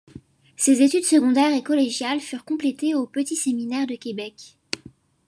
Ses études secondaires et collégiales furent complétées au Petit Séminaire de Québec.